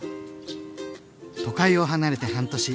都会を離れて半年。